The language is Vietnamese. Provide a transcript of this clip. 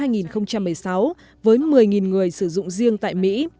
nó đã được thử nghiệm từ năm hai nghìn một mươi sáu với một mươi người sử dụng riêng tại mỹ